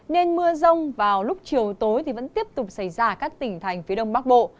nên mưa rông vào lúc chiều tối vẫn tiếp tục xảy ra ở các tỉnh thành phía đông bắc bộ